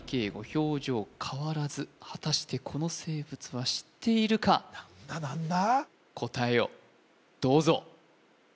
表情変わらず果たしてこの生物は知っているかなんだなんだ？